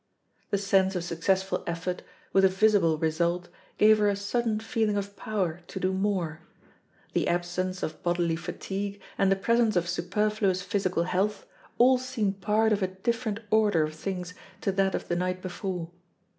The sense of successful effort, with a visible result, gave her a sudden feeling of power to do more; the absence of bodily fatigue, and the presence of superfluous physical health, all seemed part of a different order of things to that of the night before.